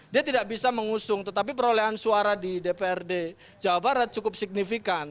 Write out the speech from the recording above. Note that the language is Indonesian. dia tidak bisa mengusung tetapi perolehan suara di dprd jawa barat cukup signifikan